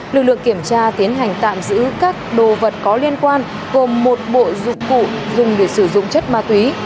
lực lượng kiểm tra tiến hành tạm giữ các đồ vật có liên quan gồm một bộ dụng cụ dùng để sử dụng chất ma túy